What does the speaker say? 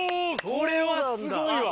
これはすごいわ！